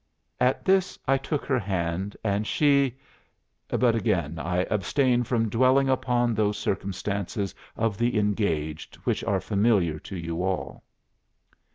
At this I took her hand, and she but again I abstain from dwelling upon those circumstances of the engaged which are familiar to you all."